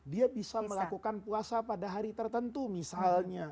dia bisa melakukan puasa pada hari tertentu misalnya